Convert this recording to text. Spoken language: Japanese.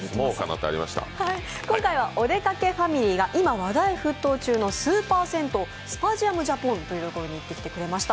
今回はお出かけファミリーが今話題のスーパー銭湯、スパジアムジャポンというところに行ってきてくれました。